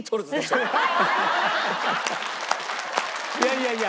いやいやいや。